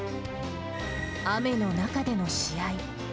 雨の中での試合。